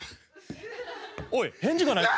おい返事がないぞ？